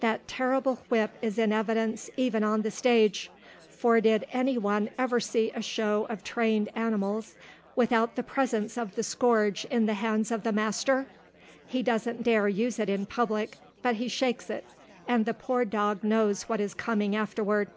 That terrible whip is in evidence even on the stage, for did any one ever see a show of trained animals, without the presence of the scourge in the hands of the master? He doesn't dare to use it in public, but he shakes it, and the poor dog knows what is coming afterward.